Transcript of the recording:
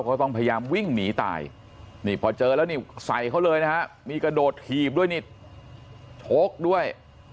เขาต้องพยายามวิ่งหนีตายนี่พอเจอแล้วนี่ใส่เขาเลยนะฮะมีกระโดดถีบด้วยนี่ชกด้วย